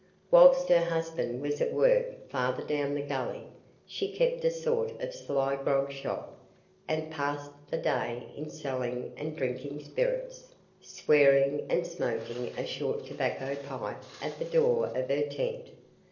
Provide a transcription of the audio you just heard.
Whilst her husband was at work farther down the gully, she kept a sort of sly grog shop, and passed the day in selling and drinking spirits, swearing, and smoking a short tobacco pipe at the door of her tent.